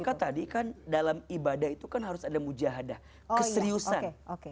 maka tadi kan dalam ibadah itu kan harus ada mujahadah keseriusan